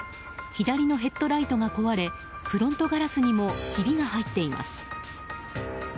左のヘッドライトが壊れフロントガラスにもひびが入っています。